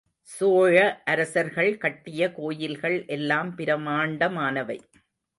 சோழ அரசர்கள் கட்டிய கோயில்கள் எல்லாம் பிரமாண்டமானவை.